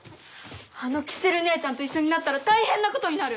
あのキセルねえちゃんと一緒になったら大変なことになる！